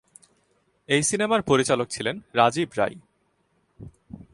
এই সিনেমার পরিচালক ছিলেন রাজীব রাই।